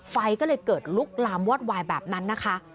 ไฟก็เลยเกิดลุกลามวอดวายแบบนั้นนะคะ